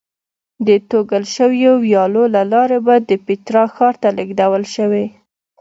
د توږل شویو ویالو له لارې به د پیترا ښار ته لېږدول شوې.